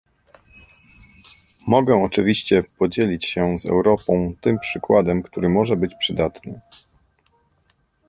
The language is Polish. Mogę oczywiście podzielić się z Europą tym przykładem, który może być przydatny